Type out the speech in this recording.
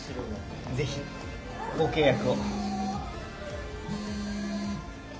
ぜひご契約を。